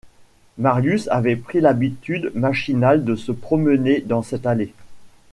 Marius avait pris l’habitude machinale de se promener dans cette allée.